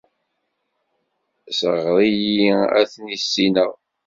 Sɣerr-iyi ad ten-issineɣ.